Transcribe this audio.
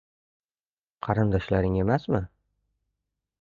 — Qarindoshlaring emasmi?